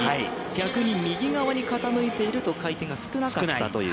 逆に右側に傾いていると回転が少なかったという。